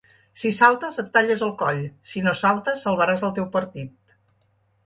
Si saltes et talles el coll, si no saltes salvaràs al teu partit.